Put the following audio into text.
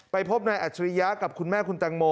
ไปพบในอัจภิยะกับคุณแม่คุณจังโม